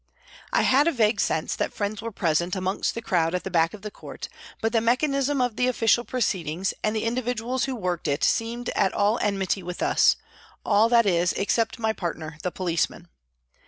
" I had a vague sense that friends were present amongst the crowd at the back of the court, but the mechanism of the official proceedings and the individuals who worked it seemed all at enmity with us all, that is, except my partner the policeman.